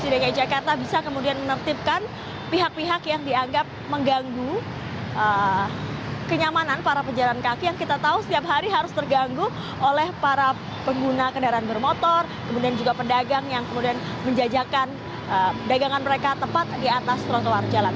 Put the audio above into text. di dki jakarta bisa kemudian menertibkan pihak pihak yang dianggap mengganggu kenyamanan para pejalan kaki yang kita tahu setiap hari harus terganggu oleh para pengguna kendaraan bermotor kemudian juga pedagang yang kemudian menjajakan dagangan mereka tepat di atas trotoar jalan